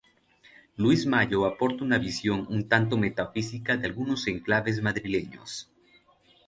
Luis Mayo aporta una visión un tanto metafísica de algunos enclaves madrileños.